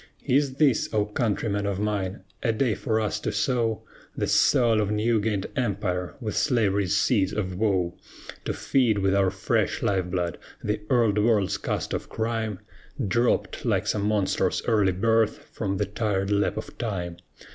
Is this, O countrymen of mine! a day for us to sow The soil of new gained empire with slavery's seeds of woe? To feed with our fresh life blood the Old World's cast off crime, Dropped, like some monstrous early birth, from the tired lap of Time?